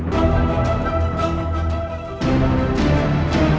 tunggu ke extrem lcm apa saja nggak